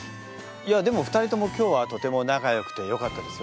いやでも２人とも今日はとても仲よくてよかったですよ。